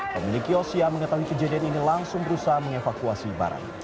pemilik kios yang mengetahui kejadian ini langsung berusaha mengevakuasi barang